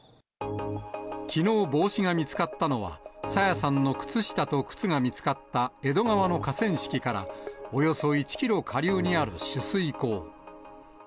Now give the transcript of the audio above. きのう、帽子が見つかったのは、朝芽さんの靴下と靴が見つかった江戸川の河川敷から、およそ１キロ下流にある取水口。